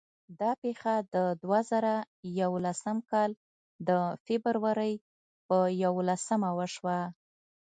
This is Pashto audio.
دا پېښه د دوه زره یولسم کال د فبرورۍ په یوولسمه وشوه.